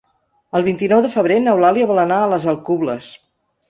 El vint-i-nou de febrer n'Eulàlia vol anar a les Alcubles.